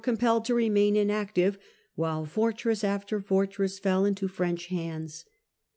compelled to remain inactive while fortress after fortress fell into French hands.